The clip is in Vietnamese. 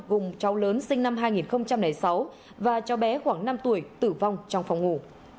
cùng cháu lớn sinh năm hai nghìn sáu và cháu bé khoảng năm tuổi tử vong trong phòng ngủ